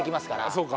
そうか。